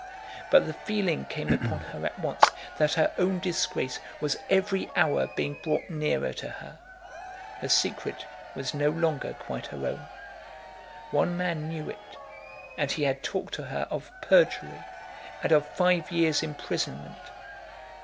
But the feeling came upon her at once that her own disgrace was every hour being brought nearer to her. Her secret was no longer quite her own. One man knew it, and he had talked to her of perjury and of five years' imprisonment.